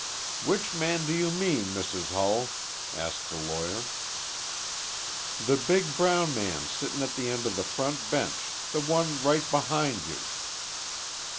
"Which man do you mean, Mrs. Hull?" asked the lawyer. "The big brown man sittin' at the end of the front bench, the one right behind you."